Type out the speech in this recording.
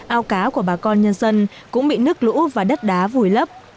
ao cá của bà con nhân dân cũng bị nước lũ và đất đá vùi lấp